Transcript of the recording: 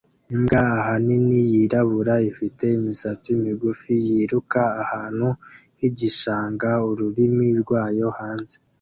Imbwa ahanini yirabura ifite imisatsi migufi yiruka ahantu h'igishanga ururimi rwayo hanze